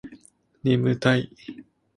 眠たい